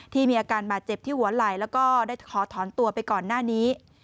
ที่มีอาการบาดเจ็บที่หัวไหล่แล้วก็ได้ขอถอนตัวไปก่อนหน้านี้